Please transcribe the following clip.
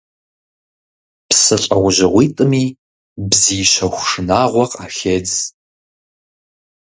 Псы лӀэужьыгъуитӀми бзий щэху шынагъуэ къахедз.